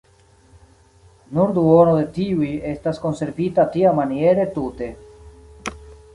Nur duono de tiuj estas konservita tiamaniere tute.